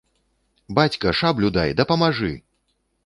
Бацька, шаблю дай, дапамажы!